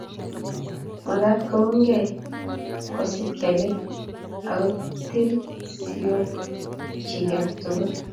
mekat koungei, kosit kelek, aku til sioik chi age tugul